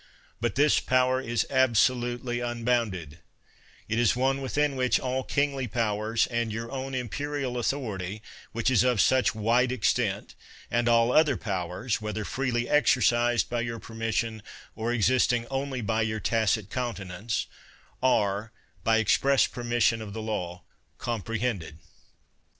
But this power is absolutely unbounded; it is one within which all kingly powers, and your own imperial authority, which is of such wide ex tent, and all other powers, whether freely exer cised by your permission, or existing only by your tacit countenance, are, by express permis sion of the law, comprehended.